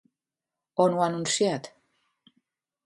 On ho ha anunciat?